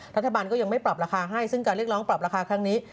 รัฐบาลก็ยังไม่ปรับราคาให้ซึ่งการเรียกร้องปรับราคาครั้งนี้